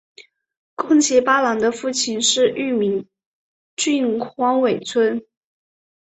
宫崎八郎的父亲是玉名郡荒尾村。